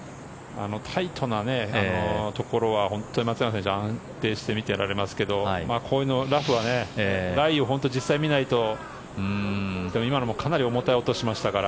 タイトなところは本当に松山選手安定して見てられますがこういうラフはライを実際見ないと今のもかなり重たい音がしましたから。